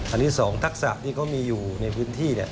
อันนี้๒ทักษะที่เขามีอยู่ในพื้นที่